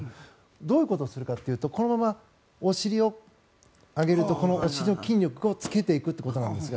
どういうことをするかというとこのままお尻を上げるとお尻の筋肉をつけていくということなんですが。